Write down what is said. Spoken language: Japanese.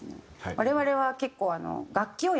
我々は結構あの。